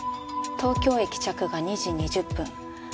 東京駅着が２時２０分。